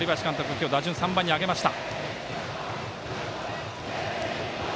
今日、打順３番に上げました。